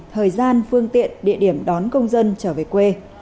thời gian phương tiện địa điểm đón công dân trở về quê